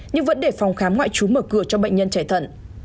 nhưng vẫn để phòng khám ngoại trú mở cửa cho bệnh nhân chạy thận